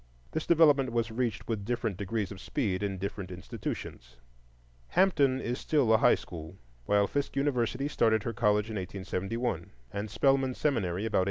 This development was reached with different degrees of speed in different institutions: Hampton is still a high school, while Fisk University started her college in 1871, and Spelman Seminary about 1896.